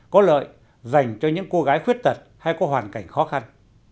có lợi dành cho những cô gái khuyết tật hay có hoàn cảnh khó khăn